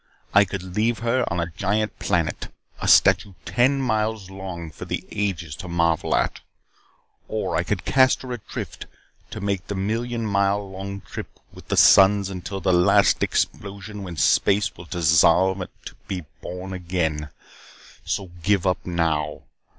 I could leave her on a giant planet, a statue ten miles long for the ages to marvel at. Or I could cast her adrift to make the trillion mile long trip with the suns until the last explosion when space will dissolve and be born again. So give up now.